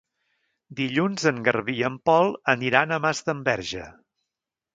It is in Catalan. Dilluns en Garbí i en Pol aniran a Masdenverge.